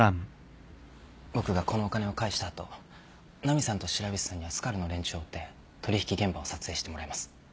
僕がこのお金を返した後ナミさんと白菱さんにはスカルの連中を追って取引現場を撮影してもらいます。